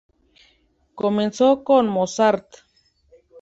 Comenzó con Mozart.